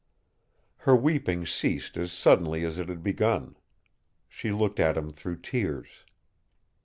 Her weeping ceased as suddenly as it had begun. She looked at him through tears.